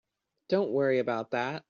Don't worry about that.